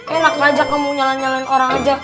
eh enak aja kamu nyala nyalan orang aja